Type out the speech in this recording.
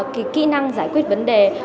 cái kỹ năng giải quyết vấn đề